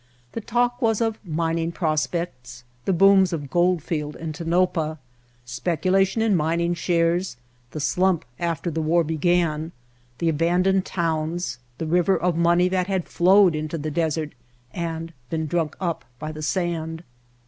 The talk was of mining pros pects, the booms of Goldfield and Tonopah, spec ulation in mining shares, the slump after the The Outfit war began, the abandoned towns, the river of money that has flowed into the desert and been drunk up by the sand.